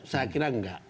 saya kira enggak